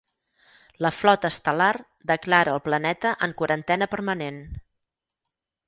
La Flota Estel·lar declara el planeta en quarantena permanent.